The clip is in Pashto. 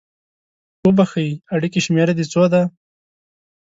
اوبښئ! اړیکې شمیره د څو ده؟